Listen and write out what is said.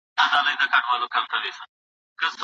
ولي هڅاند سړی د مستحق سړي په پرتله ډېر مخکي ځي؟